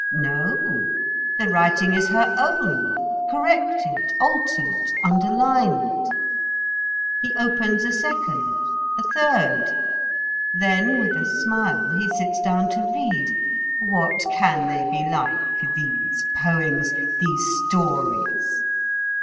No, the writing is her own, corrected, altered, underlined. He opens a second, a third. Then with a smile he sits down to read. What can they be like, these poems, these stories?